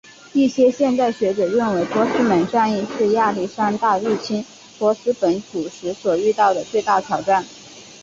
一些现代学者认为波斯门战役是亚历山大入侵波斯本土时所遇到的最大挑战。